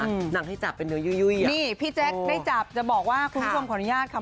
นางที่จับเป็นเนื้อยุ้ย